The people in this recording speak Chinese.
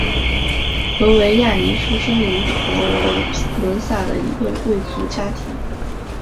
维维亚尼出生于佛罗伦萨的一个贵族家庭。